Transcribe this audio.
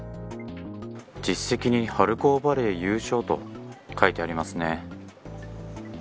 実績に春高バレー優勝と書いてありますね。